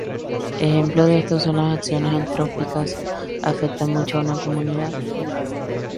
Ejemplo de esto son las acciones antrópicas afectan mucho a una comunidad.